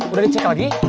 udah dicek lagi